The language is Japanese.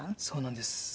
そうなんです。